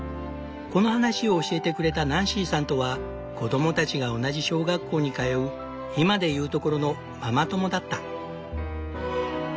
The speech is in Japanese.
この話を教えてくれたナンシーさんとは子供たちが同じ小学校に通う今で言うところのママ友だった。